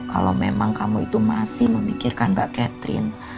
kalau memang kamu itu masih memikirkan mbak catherine